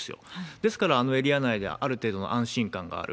ですから、あのエリア内ではある程度の安心感がある。